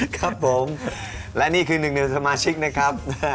ครับผมและนี่คือหนึ่งในสมาชิกนะครับ